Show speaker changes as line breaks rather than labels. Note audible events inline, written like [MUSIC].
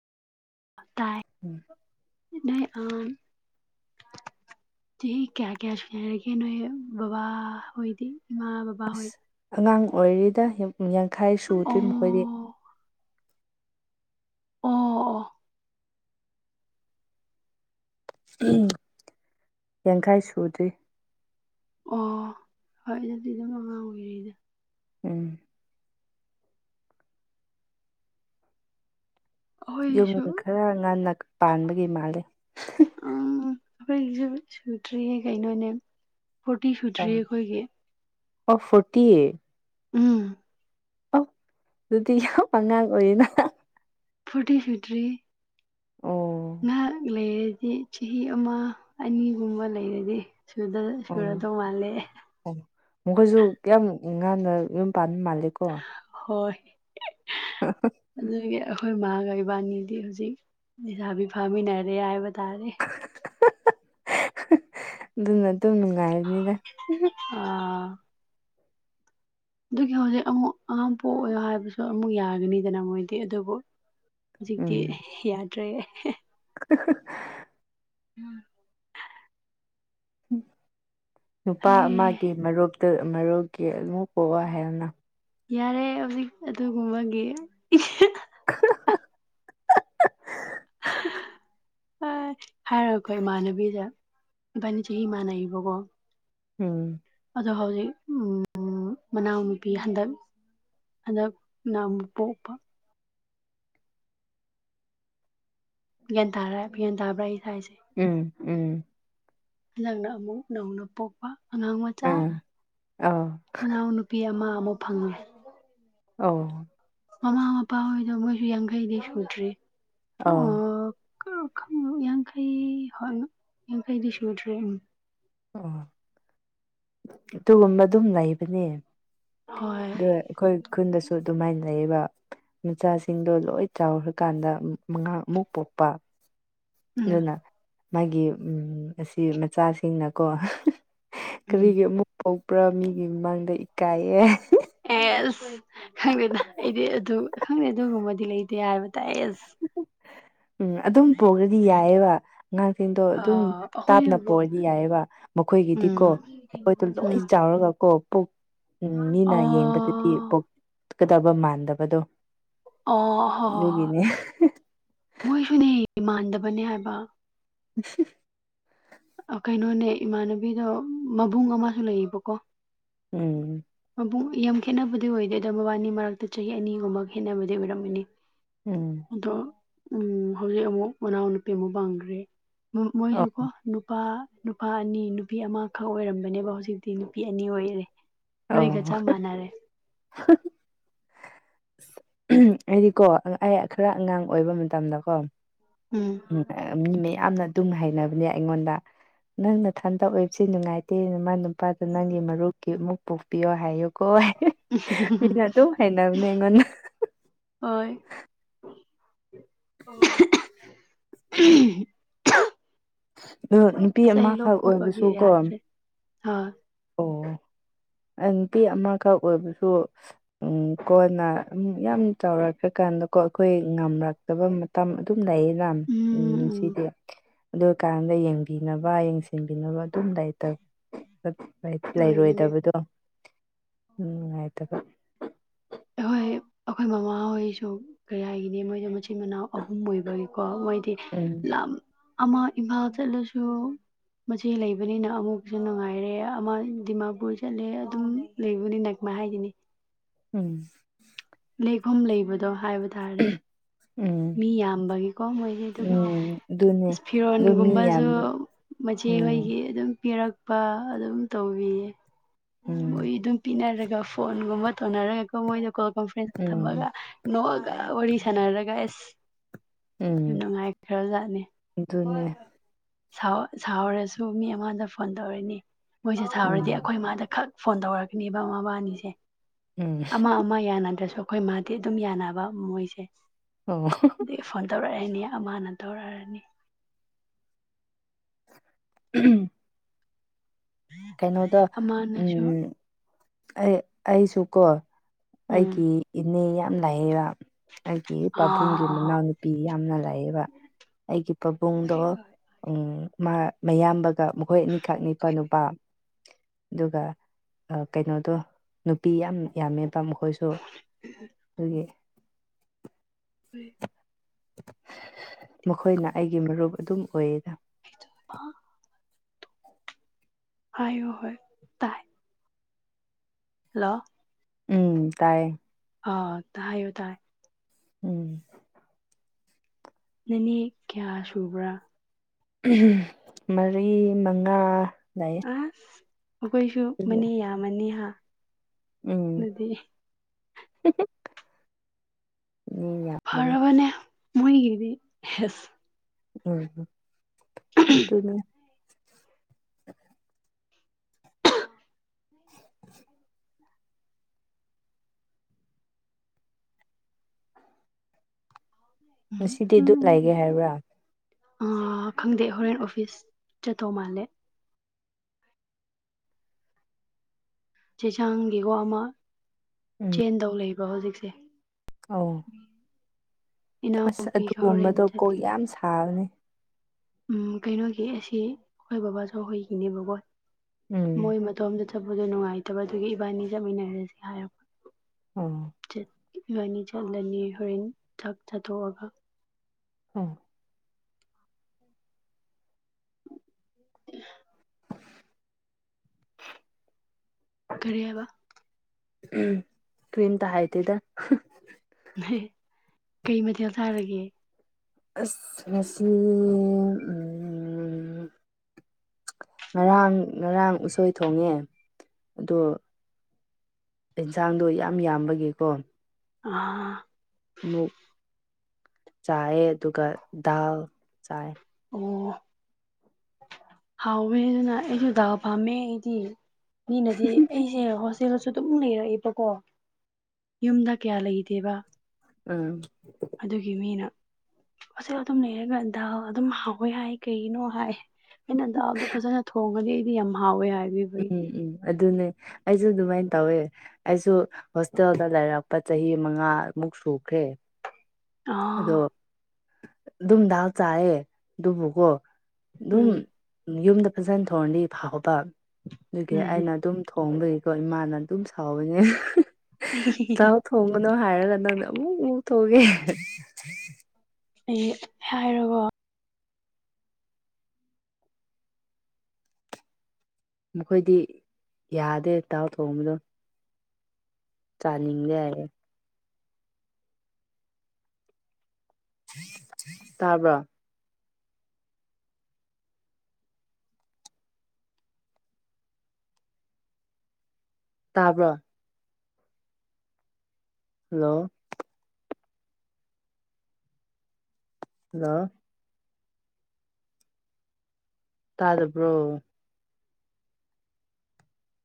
ꯇꯥꯏ
ꯎꯝ
ꯅꯣꯏ ꯑꯥ ꯆꯍꯤ ꯀ꯭ꯌꯥ ꯀ꯭ꯌꯥꯁꯨꯔꯒꯦ ꯅꯣꯏ ꯕꯥꯕꯥ ꯍꯣꯏꯗꯤ ꯏꯃꯥꯕ
ꯑꯁ ꯑꯉꯥꯡ ꯑꯣꯏꯔꯤꯗ ꯌꯝ ꯌꯥꯡꯈꯩ
ꯑꯣ
ꯁꯨꯗ꯭ꯔꯤ ꯃꯈꯣꯏꯗꯤ
ꯑꯣ ꯑꯣ
ꯑꯝ ꯌꯥꯡꯈꯩꯥ ꯁꯨꯗ꯭ꯔꯤ
ꯑꯣ ꯍꯣꯏ ꯑꯗꯨꯗꯤ ꯑꯗꯨꯝ ꯑꯉꯥꯡ ꯑꯣꯏꯔꯤꯗ
ꯎꯝ ꯌꯨꯝ
ꯑꯩꯈꯣꯏꯁꯨ
ꯈꯔ ꯉꯟꯅ ꯄꯥꯟꯕꯒꯤ ꯃꯥꯜꯂꯦ
ꯑꯥ ꯑꯩꯈꯣꯏꯒꯤꯁꯨ ꯁꯨꯗ꯭ꯔꯤꯌꯦ ꯀꯩꯅꯣꯅꯦ ꯐꯣꯔꯇꯤ ꯁꯨꯗ꯭ꯔꯤꯌꯦ
ꯑꯧ
ꯑꯩꯈꯣꯏꯒꯤ
ꯑꯣ ꯐꯣꯔꯇꯤ
ꯎꯝ
ꯑꯣ ꯑꯗꯨꯗꯤ ꯌꯥꯝ ꯑꯉꯥꯡ ꯑꯣꯏꯔꯤꯅ
ꯐꯣꯔꯇꯤ ꯁꯨꯗ꯭ꯔꯤꯌꯦ
ꯑꯣ
ꯉꯥꯏꯍꯥꯛ ꯂꯩꯔꯗꯤ ꯆꯍꯤ ꯑꯃ ꯑꯅꯤꯒꯨꯝꯕ ꯂꯩꯔꯗꯤ ꯁꯨꯗꯧ
ꯑꯣ
ꯁꯨꯔꯗꯧ ꯃꯥꯜꯂꯦ
ꯑꯣ ꯃꯈꯣꯏꯁꯨ ꯀꯌꯥꯝ ꯉꯥꯟꯅ ꯌꯨꯝ ꯄꯥꯟꯕ ꯃꯥꯜꯂꯦ ꯀꯣ
ꯍꯣꯏ ꯑꯗꯨꯒꯤ ꯑꯩꯈꯣꯏ ꯃꯥꯒ ꯏꯕꯥꯅꯤꯗꯤ ꯍꯧꯖꯤꯛ ꯂꯩꯁꯥꯕꯤ ꯐꯥꯃꯤꯟꯅꯔꯦ ꯍꯥꯏꯕ ꯇꯥꯔꯦ
ꯑꯗꯨꯅ ꯑꯗꯨꯝ ꯅꯨꯡꯉꯥꯏꯕꯅꯤꯗ
ꯑꯥ ꯑꯗꯨꯒꯤ ꯍꯧꯖꯤꯛ ꯑꯃꯨꯛ ꯑꯉꯥꯡ ꯄꯣꯛꯑꯣꯏ ꯍꯥꯏꯕꯁꯨ ꯑꯃꯨꯛ ꯌꯥꯒꯅꯤꯗꯅ ꯃꯣꯏꯗꯤ ꯑꯗꯨꯕꯨ
ꯎꯝ
ꯍꯧꯖꯤꯛꯇꯤ ꯌꯥꯗ꯭ꯔꯦ
[UNINTELLIGIBLE]
ꯎꯝ
ꯅꯨꯄꯥ
ꯑꯩ
ꯑꯃꯒꯤ ꯃꯔꯨꯞꯇ ꯃꯔꯨꯞꯀꯤ ꯑꯃꯨꯛ ꯄꯨꯕ ꯍꯥꯏꯌꯣꯅ
ꯌꯥꯔꯦ ꯍꯧꯖꯤꯛ ꯑꯗꯨꯒꯨꯝꯕꯒꯤ
[UNINTELLIGIBLE]
ꯍꯣꯏ ꯍꯥꯏꯔ ꯈꯣꯏ ꯏꯃꯥꯟꯅꯕꯤꯁꯦ ꯏꯕꯥꯅꯤ ꯆꯍꯤ ꯃꯥꯟꯅꯩꯕꯀꯣ
ꯎꯝ
ꯑꯗꯣ ꯍꯧꯖꯤꯛ ꯎꯝ ꯃꯅꯥꯎ ꯅꯨꯄꯤ ꯍꯟꯗꯛ ꯍꯟꯗꯛ ꯅ ꯑꯃꯨꯛ ꯄꯣꯛꯄ ꯒ꯭ꯌꯥꯟ ꯇꯥꯔꯦ ꯃꯦꯟ ꯇꯥꯕ꯭ꯔ ꯑꯩ ꯍꯥꯢꯁꯦ
ꯎꯝ ꯎꯝ
ꯅꯪꯅ ꯑꯃꯨꯛ ꯅꯧꯅ ꯄꯣꯛꯄ ꯑꯉꯥꯡ ꯃꯆꯥ
ꯎꯝ ꯑꯧ
ꯃꯅꯥꯎ ꯅꯨꯨꯄꯤ ꯑꯃ ꯑꯃꯨꯛ ꯐꯪꯉꯦ
ꯑꯧ
ꯃꯃꯥ ꯃꯄꯥ ꯍꯣꯢꯗꯣ ꯃꯣꯏꯁꯨ ꯌꯥꯡꯈꯩꯗꯤ ꯁꯨꯗ꯭ꯔꯤ ꯄꯣ
ꯑꯧ
ꯑꯥ [UNINTELLIGIBLE]
ꯎꯝ ꯑꯗꯨꯒꯨꯝꯕ ꯑꯗꯨꯝ ꯂꯩꯕꯅꯦ
ꯍꯣꯏ
ꯑꯗꯣ ꯑꯩꯈꯣꯢ ꯈꯨꯟꯗꯁꯨ ꯑꯗꯨꯃꯥꯢꯅ ꯂꯩꯕ ꯃꯆꯥꯁꯤꯡꯗꯣ ꯂꯣꯢ ꯆꯥꯎꯈ꯭ꯔꯀꯥꯟꯗ ꯃꯉꯥꯡ ꯑꯃꯨꯛ ꯄꯣꯛꯄ
ꯎꯝ
ꯑꯗꯨꯅ ꯃꯥꯒꯤ ꯎꯝ ꯑꯁꯤ ꯃꯆꯥꯁꯤꯡꯅꯀꯣ
ꯎꯝ
ꯀꯔꯤꯒꯤ ꯑꯃꯨꯛ ꯄꯣꯛꯄ꯭ꯔꯥ ꯃꯤꯒꯤ ꯃꯥꯡꯗ ꯏꯀꯥꯢꯌꯦ
ꯑꯦꯁ ꯈꯪꯗꯦꯗ ꯑꯩꯗꯤ ꯑꯗꯨ ꯈꯪꯗꯦ ꯑꯗꯨꯒꯨꯝꯕꯗꯤ ꯂꯩꯇꯦ ꯍꯥꯢꯕ ꯇꯥꯢ ꯑꯁ
ꯎꯝ ꯑꯗꯨꯝ ꯄꯣꯛꯔꯗꯤ ꯌꯥꯢꯌꯦꯕ ꯑꯉꯥꯡꯁꯤꯡꯗꯣ ꯑꯗꯨꯝ
ꯑ
ꯇꯞꯅ
ꯑꯩꯈꯣꯏꯅꯕꯨ
ꯄꯣꯛꯑꯗꯤ ꯌꯥꯢꯌꯦꯕ
ꯎꯝ
ꯃꯈꯣꯢꯒꯤꯗꯤꯀꯣ ꯃꯈꯣꯢꯗꯣ ꯂꯣꯢ
ꯎꯝ
ꯆꯥꯎꯔꯒ ꯀꯣ ꯄꯨꯛ ꯎꯝ ꯃꯤꯅ ꯌꯦꯡꯕꯗꯗꯤ
ꯑꯣ
ꯄꯣꯛꯀꯗꯕ ꯃꯥꯟꯗꯕꯗꯣ
ꯑꯣ ꯍꯣ ꯍꯣꯢ ꯍꯣꯢ
ꯑꯗꯨꯒꯤꯅꯦ
ꯃꯣꯢꯁꯨꯅꯦ ꯃꯥꯟꯗꯕꯅꯦ ꯍꯥꯢꯕ
ꯎꯝ ꯍꯨꯡꯁ
ꯑꯥ ꯀꯩꯅꯣꯅꯦ ꯏꯃꯥꯟꯅꯕꯤꯗꯣ ꯃꯕꯨꯡ ꯑꯃꯁꯨ ꯂꯩꯌꯦꯕꯀꯣ
ꯎꯝ
ꯃꯕꯨꯡ ꯌꯥꯝ ꯈꯦꯠꯅꯕꯗꯤ ꯑꯣꯢꯗꯦ ꯃꯕꯥꯅꯤ ꯃꯔꯛꯇ ꯆꯍꯤ ꯑꯅꯤꯒꯨꯝꯕ ꯈꯦꯠꯅꯕꯗꯤ ꯑꯣꯢꯔꯝꯃꯤꯅꯤ
ꯎꯝ
ꯑꯗꯣ ꯎꯝ ꯍꯧꯖꯤꯛ ꯑꯃꯨꯛ ꯃꯅꯥꯎ ꯅꯨꯄꯤ ꯑꯃꯨꯛ ꯄꯥꯡꯈ꯭ꯔꯦ ꯃꯣꯢ
ꯑꯣ
ꯃꯣꯢꯁꯨꯀꯣ ꯅꯨꯄꯥ ꯅꯨꯄꯥ ꯑꯅꯤ ꯅꯨꯄꯤ ꯑꯃꯈꯛ ꯑꯣꯢꯔꯝꯕꯅꯦꯕ ꯍꯧꯖꯤꯛꯇꯤ ꯅꯨꯄꯤ ꯑꯅꯤ ꯑꯣꯢꯔꯦ
ꯑꯧ ꯑꯍ ꯑꯍ ꯎꯝ ꯑꯩꯗꯤꯀꯣ ꯑꯩ ꯈꯔ ꯑꯉꯥꯡ ꯑꯣꯢꯕ ꯃꯇꯝꯗꯀꯣ ꯎꯝ ꯃꯤ ꯃꯌꯥꯝꯅ ꯑꯗꯨꯝ ꯍꯥꯢꯅꯕꯅꯦ ꯑꯩꯉꯣꯟꯗ ꯅꯪ ꯅꯊꯟꯇ ꯑꯣꯢꯕꯁꯤ ꯅꯨꯡꯉꯥꯢꯇꯦ ꯃꯥꯅ ꯅꯨꯄꯥꯗꯨ ꯅꯪꯒꯤ ꯃꯔꯨꯞꯀꯤꯃꯨꯛ ꯄꯣꯛꯄꯤꯌꯣ ꯍꯥꯢꯌꯨꯀꯣ ꯃꯤꯅ ꯑꯗꯨꯝ ꯍꯥꯢꯅꯕꯅꯦ ꯑꯩꯉꯣꯟꯗ
ꯍꯣꯏ ꯎꯝ
ꯑꯗꯣ ꯅꯨꯄꯤ ꯑꯃꯈꯛ ꯑꯣꯢꯕꯁꯨ ꯀꯣ
ꯍꯥ
ꯅꯨꯄꯤ ꯑꯃꯈꯛ ꯑꯣꯢꯕꯗꯣ ꯎꯝ ꯀꯣꯟꯅ ꯃꯤ ꯃꯌꯥꯝ ꯇꯧꯔꯀꯀꯥꯟꯗ ꯀꯣ ꯑꯩꯈꯣꯢ ꯉꯝꯂꯛ ꯐꯕ ꯃꯇꯝ ꯑꯗꯨꯝ ꯂꯩꯌꯦꯅ ꯎꯝ ꯉꯁꯤꯗꯤ ꯑꯗꯨ ꯀꯥꯟꯗ ꯌꯦꯡꯕꯤꯅꯕ ꯌꯦꯡꯁꯤꯟꯕꯤꯅꯕ ꯑꯗꯨꯝ ꯂꯩꯇꯕ ꯂꯩ
ꯑꯣꯏꯕꯅꯦ
ꯂꯩꯔꯣꯢꯗꯕꯗꯣ ꯎꯝ ꯅꯨꯡꯉꯥꯢꯇꯕ
ꯍꯣꯢ ꯑꯩꯈꯣꯢ ꯃꯃꯥꯍꯣꯢꯁꯨ ꯀꯌꯥꯢꯒꯤꯅꯤ ꯃꯣꯢꯗ ꯃꯆꯤꯟ ꯃꯅꯥꯎ ꯑꯍꯨꯝ ꯑꯣꯢꯕꯒꯤꯀꯣ ꯃꯣꯢꯗꯤ
ꯎꯝ
ꯂꯝ ꯑꯃ ꯏꯝꯐꯥꯜ ꯆꯠꯂꯁꯨ ꯃꯆꯦ ꯂꯩꯕꯅꯤꯅ ꯑꯃꯨꯛꯁꯨ ꯅꯨꯡꯉꯥꯢꯔꯦ ꯑꯃ ꯗꯤꯃꯥꯄꯨꯔ ꯆꯠꯂꯦ ꯑꯗꯨꯝ ꯂꯩꯕꯅꯤ ꯅꯛꯃ ꯍꯥꯢꯒꯤꯅꯤ
ꯎꯝ
ꯂꯩꯈꯣꯝ ꯂꯩꯕꯗꯣ ꯍꯥꯢꯕ ꯇꯥꯔꯦ
ꯎꯝ
ꯃꯤ ꯌꯥꯝꯕꯒꯤꯀꯣ ꯃꯣꯢꯒꯤ
ꯎꯝ
ꯑꯗꯨꯒꯤ
ꯎꯝ ꯑꯗꯨꯅꯦ
ꯏꯁ
ꯑꯗꯨ ꯃꯤ
ꯐꯤꯔꯣꯟꯒꯨꯝꯕꯁꯨ
ꯌꯥꯝꯕ ꯎꯝ
ꯃꯆꯦꯍꯣꯢꯒꯤ ꯑꯗꯨꯝ ꯄꯤꯔꯛ ꯄꯥ ꯑꯗꯨꯝ ꯇꯧꯕꯤꯌꯦ
ꯎꯝ
ꯃꯣꯏ ꯑꯗꯨꯝ [UNINTELLIGIBLE] ꯄꯤꯅꯔꯒ ꯐꯣꯟꯒꯨꯝꯕ ꯇꯣꯟꯅꯔꯒꯀꯣ ꯃꯣꯏꯗꯣ ꯀꯣꯜ ꯀꯣꯟꯐ꯭ꯔꯦꯟꯁꯀ ꯊꯝꯃꯒ
ꯎꯝ
ꯅꯣ ꯛꯑꯒ ꯋꯥꯔꯤ ꯁꯥꯟꯅꯔꯒ ꯑꯁ
ꯎꯝ
ꯌꯥꯝ ꯅꯨꯡꯉꯥꯏꯈ꯭ꯔꯖꯥꯠꯅꯤ
ꯑꯗꯨꯅꯦ
ꯁꯥꯎ ꯁꯥꯎꯔꯁꯨ ꯃꯤ ꯑꯩꯉꯣꯟꯗ ꯐꯣꯟ ꯇꯧꯔꯅꯤ ꯃꯣꯏꯁꯦ ꯁꯥꯎꯔꯗꯤ
ꯎꯝ
ꯑꯩꯈꯣꯏ ꯃꯥꯥꯗ ꯈꯛ ꯐꯣꯟ ꯇꯧꯔꯛꯀꯅꯤꯕ ꯃꯥꯕꯥꯅꯤꯁꯦ
ꯎꯝ
ꯑꯃ ꯑꯃ ꯌꯥꯅ ꯗ꯭ꯔꯁꯨ ꯑꯩꯈꯣꯏ ꯃꯥꯗꯤ ꯑꯗꯨꯝ ꯌꯥꯅꯕ ꯃꯣꯏꯁꯦ
ꯑꯣ
ꯗꯤ ꯐꯣꯟ ꯇꯧꯔꯛꯑꯅꯤ ꯑꯃꯅ ꯇꯧꯔꯛꯑꯔꯅꯤ
ꯎꯝ [UNINTELLIGIBLE] ꯀꯩꯅꯣꯗꯣ
ꯑꯃꯅꯁꯨ
ꯎꯝ ꯑꯩ ꯑꯩꯁꯨ ꯀꯣ
ꯎꯝ
ꯑꯩꯒꯤ ꯏꯅꯦ ꯌꯥꯝ ꯂꯩꯌꯦꯕ ꯑꯩꯒꯤ ꯄꯥꯕꯨꯡꯒꯤ
ꯑꯥ
ꯃꯅꯥꯎꯅꯨꯄꯤ ꯌꯥꯝꯅ ꯂꯩꯌꯦꯕ ꯑꯩꯒꯤ ꯄꯥꯕꯨꯡꯗꯣ ꯎꯝ ꯃꯥ ꯃꯌꯥꯝꯕꯒ ꯃꯈꯣꯏ ꯑꯅꯤꯈꯛ ꯅꯤꯄꯥ ꯅꯨꯄꯥ ꯑꯗꯨꯒ ꯀꯩꯅꯣꯗꯣ ꯅꯨꯄꯤ ꯌꯥꯝ ꯌꯥꯝꯃꯦ ꯇꯝ ꯃꯈꯣꯏꯁꯨ ꯑꯗꯨꯒꯤ
[INAUDIBLE]
ꯃꯈꯣꯏꯅ ꯑꯩꯒꯤ ꯃꯔꯨꯞ ꯑꯗꯨꯝ ꯑꯣꯏꯌꯦꯗ
ꯏꯆꯜ ꯄꯥ [UNINTELLIGIBLE] ꯍꯥꯏꯌꯣ ꯍꯣꯏ ꯇꯥꯏ ꯍꯜꯂꯣ
ꯎꯝ ꯇꯥꯏꯌꯦ
ꯑꯥ ꯇꯥ ꯍꯥꯏꯌꯣ ꯇꯥꯏ
ꯎꯝ
ꯅꯦꯅꯦ ꯀꯌꯥ ꯁꯨꯕ꯭ꯔꯥ
ꯎꯍꯨꯝ ꯃꯔꯤ ꯃꯉꯥ ꯂꯩ
ꯑꯥꯁ ꯑꯈꯣꯏꯁꯨ
ꯑꯗꯨꯒ
ꯃꯅꯦ ꯌꯥꯝꯃꯅꯤ ꯍꯥ ꯗꯨꯗꯤ
ꯍꯨ ꯍꯨꯝ ꯎꯝ ꯌꯥ
ꯐꯔꯕꯅꯦ ꯃꯣꯏꯒꯤꯗꯤ ꯍꯦꯁ
ꯎꯝ ꯍꯨꯝ ꯗꯨꯅ [UNINTELLIGIBLE]
ꯎꯝ
ꯉꯁꯤꯗꯤ ꯗꯨꯠ ꯂꯩꯔꯦ ꯍꯥꯏꯕ꯭ꯔꯥ
ꯑꯥ ꯈꯪꯗꯦ ꯍꯣꯔꯦꯟ ꯑꯣꯐꯤꯁ ꯆꯠꯇꯧ ꯃꯥꯜꯂꯦ ꯆꯦ ꯁꯥꯡꯒꯤ ꯋꯥꯝꯃ
ꯎꯝ
ꯆꯦꯟꯗꯧ ꯂꯩꯕꯔ ꯍꯧꯖꯤꯛꯁꯦ
ꯑꯧ
[INAUDIBLE]
ꯑꯁ
ꯏꯅꯥꯎꯅꯨꯄꯤꯒ ꯍꯣꯔꯦꯟ
ꯑꯗꯨꯒꯨꯝꯕꯗꯣ ꯀꯣꯛ
ꯆꯠꯀꯅꯤ
ꯌꯥꯝ ꯁꯥꯕꯅꯦ
ꯎꯝ ꯀꯩꯅꯣꯒꯤ ꯑꯁꯤ ꯈꯣꯏ ꯕꯕꯥꯆꯧ ꯍꯣꯏꯒꯤꯅꯦꯕꯀꯣ
ꯎꯝ
ꯃꯣꯏ ꯃ ꯇꯣꯝꯗ ꯆꯠꯄꯗꯣ ꯅꯨꯡꯉꯥꯏꯇꯕ ꯗꯨꯒꯤ ꯏꯕꯥꯅꯤ ꯆꯠꯃꯤꯟꯅꯔꯖꯦ ꯍꯥꯏꯔꯛ
ꯎꯝ
ꯖꯠ ꯏꯕꯥꯅꯤ ꯆꯠꯂꯅꯤ ꯍꯣꯔꯦꯟ ꯆꯥꯛ ꯆꯥꯊꯣꯛꯑꯒ
ꯎꯝ [UNINTELLIGIBLE]
[INAUDIBLE] ꯀꯔꯤ ꯍꯥꯏꯕ
ꯎꯝ ꯀꯔꯤꯝꯇ ꯍꯥꯏꯗꯦꯗꯥ ꯍ
ꯍꯦ ꯀꯩ ꯃꯊꯦꯜ ꯆꯥꯔꯒꯦ
ꯑꯁ ꯉꯁꯤ ꯎꯝ ꯉꯔꯥꯡ ꯉꯔꯥꯡ ꯎꯁꯣꯏ ꯊꯣꯡꯉꯦ ꯑꯗꯣ ꯑꯦꯟꯖꯥꯡꯗꯣ ꯌꯥꯝ ꯌꯥꯝꯕꯒꯤꯀꯣ
[UNINTELLIGIBLE]
ꯃꯨꯛ ꯆꯥꯏꯌꯦ ꯗꯨꯒ ꯗꯥꯜ ꯆꯥꯏ
ꯑꯣ ꯍꯥꯎꯋꯦ ꯗꯨꯅꯥ ꯑꯩꯖꯨ ꯗꯥꯜ ꯄꯥꯝꯃꯦ ꯑꯩꯗꯤ ꯃꯤꯅꯗꯤ ꯑꯩ ꯖꯦ ꯍꯣꯁꯇꯦꯜꯁꯨ ꯗꯨꯝ ꯂꯩꯔꯛꯑꯦꯕꯀꯣ ꯌꯨꯝꯗ ꯀꯌꯥ ꯂꯩꯇꯦꯕ
ꯎꯝ
ꯑꯗꯨꯒꯤ ꯃꯤꯅ ꯍꯣꯁꯦꯜ ꯑꯗꯨꯝ ꯂꯩꯔꯒ ꯗꯥꯜ ꯑꯗꯨꯝ ꯍꯥꯎꯋꯦ ꯍꯥꯏ ꯀꯩꯒꯤꯅꯣ ꯍꯥꯏ ꯑꯩꯅ ꯗꯥꯜꯗꯣ ꯐꯖꯅ ꯊꯣꯡꯉꯗꯤ ꯑꯩꯗꯤ ꯌꯥꯝ ꯍꯥꯎꯋꯦ ꯍꯥꯏꯕꯤ
ꯎꯝ ꯎꯝ ꯑꯗꯨꯅꯦ ꯑꯩꯖꯨ ꯑꯗꯨꯃꯥꯏꯟ ꯇꯧꯋꯦ ꯑꯩꯁꯨ ꯍꯣꯁꯇꯦꯜꯗ ꯂꯩꯔꯛꯄ ꯆꯍꯤ ꯃꯉꯥꯃꯨꯛ ꯁꯨꯈ꯭ꯔꯦ
ꯑꯥ
ꯑꯗꯣ ꯗꯨꯝ ꯗꯥꯜ ꯆꯥꯏꯌꯦ ꯗꯨꯕꯨꯀꯣ ꯗꯨꯝ
ꯎꯝ
ꯌꯨꯝꯗ ꯐꯖꯅ ꯊꯣꯡꯔꯗꯤ ꯐꯥꯎ ꯇꯥ ꯗꯨꯒꯤ
ꯎꯝ
ꯑꯩꯅ ꯑꯗꯨꯝ ꯊꯣꯡꯕꯒꯤꯀꯣ ꯏꯃꯥꯅ ꯑꯗꯨꯝ ꯁꯥꯎꯌꯤꯅꯦ
[UNINTELLIGIBLE]
ꯊꯣꯡꯒꯅꯣ ꯍꯥꯏꯔꯒ ꯅꯪꯅ ꯑꯃꯨꯛ ꯃꯨꯛ ꯊꯣꯡꯉꯦ [INAUDIBLE]
ꯑꯩ ꯍꯥꯏꯔꯕꯣ
ꯑꯈꯣꯏꯗꯤ ꯌꯥꯗꯦ ꯇꯥꯎ ꯊꯣꯡꯕꯗꯣ ꯆꯥꯅꯤꯡꯗꯦ ꯍꯥꯏꯌꯦ ꯇꯥꯕ꯭ꯔꯣ ꯇꯥꯕ꯭ꯔꯣ ꯍꯜꯂꯣ ꯂꯣ ꯇꯥꯗꯕ꯭ꯔꯣ